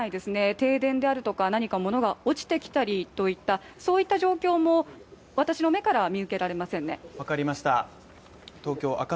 停電であるとか何か物が落ちてきたりとかそういった状況も私の目からは見受けられません。